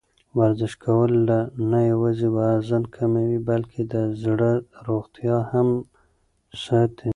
ورزش کول نه یوازې وزن کموي، بلکې د زړه روغتیا هم ساتي.